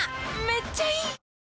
めっちゃいい！